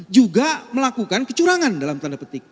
juga melakukan kecurangan dalam tanda petik